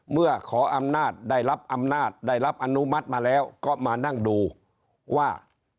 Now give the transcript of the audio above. เมื่อขออำนาจได้รับอำนาจได้รับอนุมัติมาแล้วก็มานั่งดูว่า